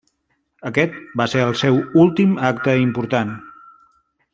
Aquest va ser el seu últim acte important.